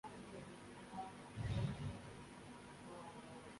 سعودی عالم کا فتوی ہمیں اس جانب متوجہ کر رہا ہے۔